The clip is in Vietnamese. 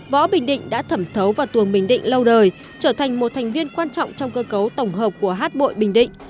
võ bình định đã thẩm thấu vào tuồng bình định lâu đời trở thành một thành viên quan trọng trong cơ cấu tổng hợp của hát bội bình định